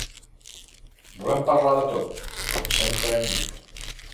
Volem parlar de tot, com sempre hem dit.